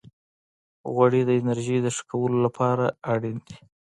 غوړې د انرژۍ د ښه کولو لپاره اړینې دي.